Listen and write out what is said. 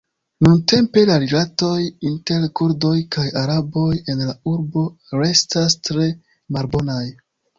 Nuntempe la rilatoj inter Kurdoj kaj Araboj en la urbo restas tre malbonaj.